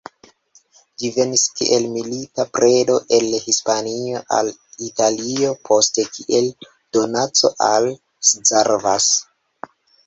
Ĝi venis, kiel milita predo el Hispanio al Italio, poste, kiel donaco, al Szarvas.